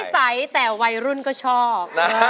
ถึงจะไม่ใสแต่วัยรุ่นก็ชอบ